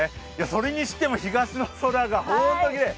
それにしても東の空が本当にきれい。